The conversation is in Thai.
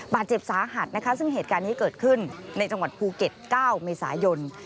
บาดเจ็บสาหัสนะคะซึ่งเหตุการณ์นี้เกิดขึ้นในจังหวัดภูเก็ต๙เมษายน